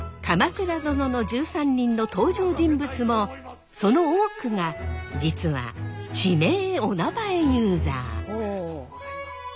「鎌倉殿の１３人」の登場人物もその多くが実は地名おなまえユーザー。